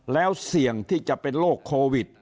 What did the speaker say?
แล้วเสี่ยงที่จะเป็นโรคโควิด